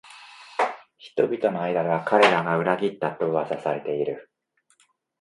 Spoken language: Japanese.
人々の間では彼らが裏切ったと噂されている